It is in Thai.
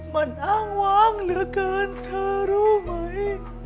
มันอ้างวางเหลือเกินเธอรู้ไหม